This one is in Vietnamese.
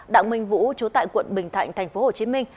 đảng minh vũ chố tại quận bình thạnh thành phố hồ chí minh